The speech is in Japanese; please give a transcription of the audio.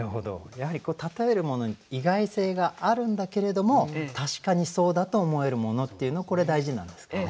やはり例えるものに意外性があるんだけれども確かにそうだと思えるものっていうのこれ大事なんですかね。